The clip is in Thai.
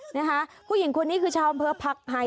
นะคะผู้หญิงคนนี้คือชาวอำเภอผักไห่